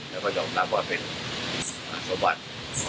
แล้วก็ยอมรับว่าเป็นสมบัติ